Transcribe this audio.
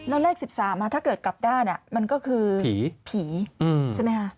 แล้วเลข๑๓ถ้าเกิดกลับได้มันก็คือผีใช่ไหมคะ